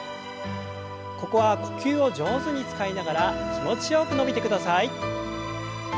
ここは呼吸を上手に使いながら気持ちよく伸びてください。